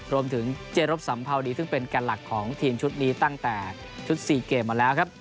รวมถึงเจรบสัมภาวดีซึ่งเป็นแก่หลักของทีมชุดนี้ตั้งแต่ชุด๔เกมมาแล้วครับ